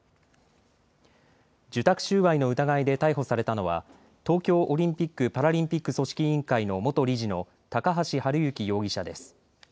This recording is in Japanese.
受託収賄の疑いで逮捕されたのは東京オリンピック・パラリンピック組織委員会の元理事の高橋治之容疑者です。